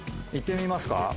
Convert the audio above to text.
行ってみますか。